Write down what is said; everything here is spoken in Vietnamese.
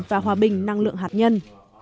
và hòa bình năng lượng hạt nhân